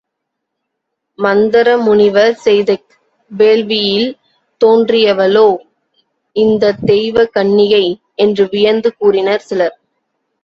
மந்தர முனிவர் செய்த வேள்வியில் தோன்றியவளோ இந்தத் தெய்வ கன்னிகை? என்று வியந்து கூறினர் சிலர்.